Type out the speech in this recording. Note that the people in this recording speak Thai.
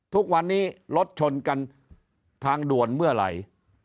ทุกวันนี้รถชนกันทางด่วนเมื่อไหร่